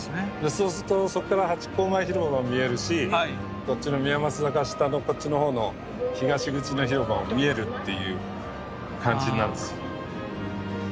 そうするとそこからハチ公前広場も見えるしこっちの宮益坂下のこっちの方の東口の広場も見えるっていう感じになるんですよ。